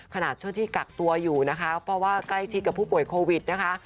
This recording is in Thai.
ขณะช่วงที่กักตัวอยู่นะคะเพราะว่าใกล้ชิดกับผู้ป่วยโควิดนะคะ